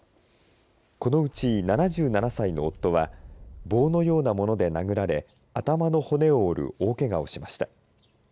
このうち７７歳の夫は棒のようなもので殴られ頭の骨を折る大けがをしました。